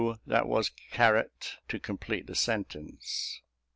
that was "caret" to complete the sentence.